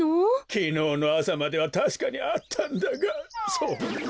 きのうのあさまではたしかにあったんだがそんな。